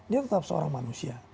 dia tetap seorang manusia